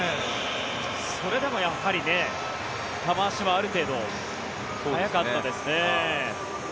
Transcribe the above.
それでもやはり球足はある程度速かったですね。